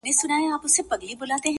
په هره څانګه هر پاڼه کي ویشتلی چنار!.